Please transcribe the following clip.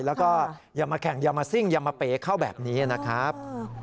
แล้วก็อย่ามาแข่งอย่ามาซิ่งอย่ามาเป๋เข้าแบบนี้นะครับ